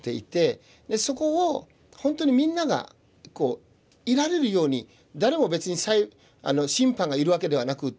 でそこを本当にみんながいられるように誰も別に審判がいるわけではなくって。